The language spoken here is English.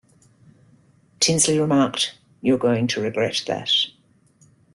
Tinsley remarked, "You're going to regret that.